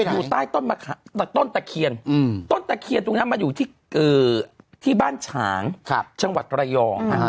อยู่ใต้ต้นตะเคียนต้นตะเคียนตรงนั้นมันอยู่ที่บ้านฉางจังหวัดระยอง